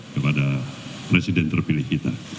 kepada presiden terpilih kita